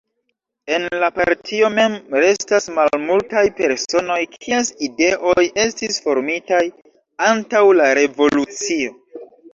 En la Partio mem restas malmultaj personoj kies ideoj estis formitaj antaŭ la Revolucio.